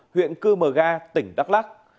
huyện cư mờ ga tỉnh đắk lắk